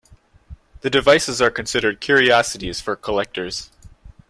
The devices are considered curiosities for collectors.